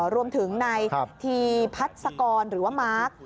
รวมถึงนายทีพัศกรหรือว่ามาร์ค